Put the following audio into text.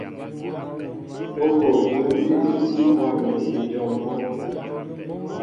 Ó bol jǒm ji é tí bwâm ni ejɔŋ mbó'.